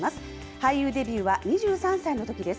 俳優デビューは２３歳のときです。